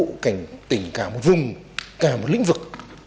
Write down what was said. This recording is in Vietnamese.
vụ cảnh tỉnh cả một vùng cả một lĩnh vực